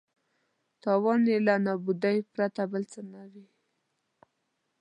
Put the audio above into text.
تاوان یې له نابودۍ پرته بل څه نه وي.